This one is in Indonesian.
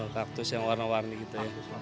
kaktus yang warna warni gitu ya